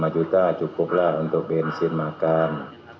lima juta cukup lah untuk bensin makan